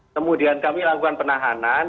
kemudian kami lakukan penahanan